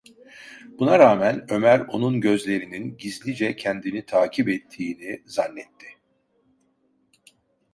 Buna rağmen, Ömer onun gözlerinin gizlice kendini takip ettiğini zannetti.